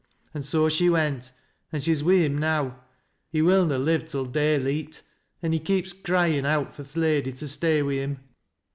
An' so she went, an' she's wi' Mai now. He will na live till daj' lect, an' he keeps crying out for th' lady to stay wi' him."